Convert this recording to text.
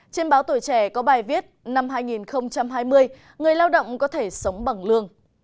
trên báo tuổi trẻ có bài viết năm hai nghìn hai mươi người lao động có thể sống bằng lương